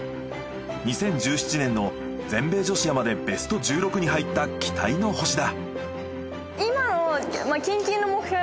２０１７年の全米女子アマでベスト１６に入った期待の星だ。